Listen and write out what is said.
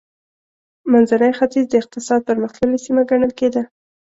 منځنی ختیځ د اقتصاد پرمختللې سیمه ګڼل کېده.